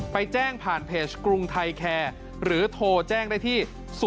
แจ้งผ่านเพจกรุงไทยแคร์หรือโทรแจ้งได้ที่